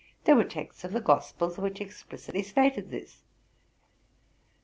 There were texts of the Gospels which explicitly stated this.